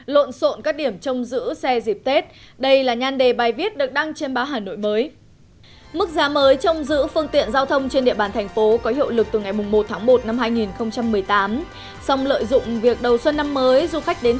lộn xộn các điểm trông giữ xe dịp tết đây là nhan đề bài viết được đăng trên báo hà nội mới